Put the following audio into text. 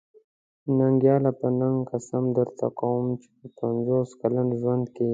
ننګياله! په ننګ قسم درته کوم چې په پنځوس کلن ژوند کې.